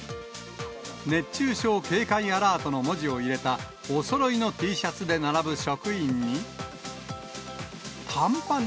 熱中症警戒アラートの文字を入れた、おそろいのＴシャツで並ぶ職員に。